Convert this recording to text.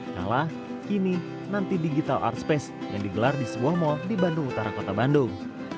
kalah kini nanti digital artspace yang digelar di sebuah mal di bandung utara kota bandung